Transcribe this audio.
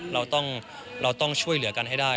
เราต้องช่วยเหลือกันให้ได้